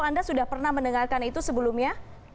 anda sudah pernah mendengarkan itu sebelumnya